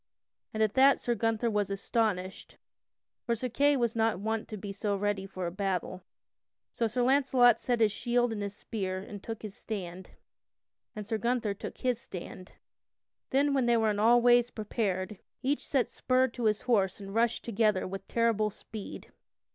And at that Sir Gunther was astonished, for Sir Kay was not wont to be so ready for a battle. So Sir Launcelot set his shield and spear and took his stand, and Sir Gunther took his stand. Then, when they were in all ways prepared, each set spur to his horse and rushed together with terrible speed.